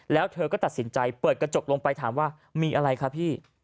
แล้วเธอก็ตัดสินใจเปิดกระจกลงไปถามว่ามีอะไรคะพี่